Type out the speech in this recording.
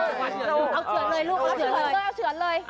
เอาเฉือนเลยลูกเอาเฉือนเลย